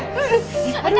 siap siap dulu ya